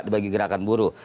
dibagi gerakan buruh